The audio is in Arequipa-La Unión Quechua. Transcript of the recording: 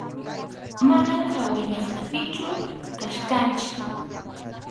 Manam hawallaqtapichu kachkanchik.